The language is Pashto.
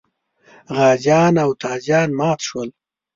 غازیان او تازیان مات شول.